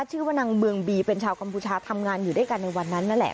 ชื่อว่านางเมืองบีเป็นชาวกัมพูชาทำงานอยู่ด้วยกันในวันนั้นนั่นแหละ